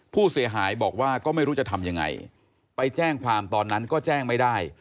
ผู้เสียหายบอกว่าก็ไม่รู้จะทำยังไงไปแจ้งความตอนนั้นก็แจ้งไม่ได้